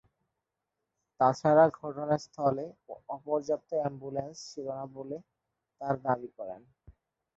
তাছাড়া ঘটনা স্থলে অপর্যাপ্ত অ্যাম্বুলেন্স ছিল না বলেও তারা দাবি করেন।